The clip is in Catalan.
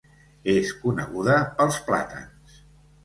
És coneguda pels plàtans.